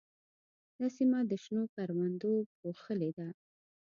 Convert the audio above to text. دا سیمه د شنو کروندو پوښلې ده.